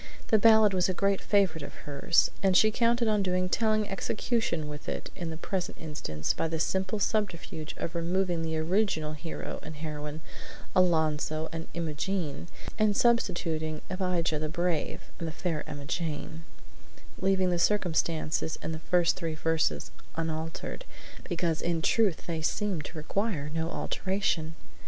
The ballad was a great favorite of hers, and she counted on doing telling execution with it in the present instance by the simple subterfuge of removing the original hero and heroine, Alonzo and Imogene, and substituting Abijah the Brave and the Fair Emmajane, leaving the circumstances in the first three verses unaltered, because in truth they seemed to require no alteration.